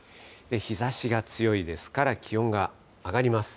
日ざしが強いですから、気温が上がります。